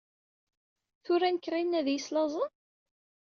Tura nekk, ɣilen ad iyi-slaẓen?